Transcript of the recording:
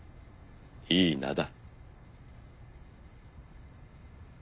いい名だ。